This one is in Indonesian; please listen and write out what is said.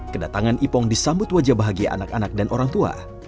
kedatangan ipong disambut wajah bahagia anak anak dan orang tua